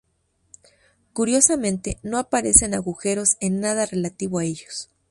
Curiosamente, no aparecen agujeros en nada relativo a ellos.